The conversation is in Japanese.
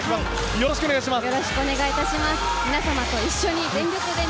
よろしくお願いします。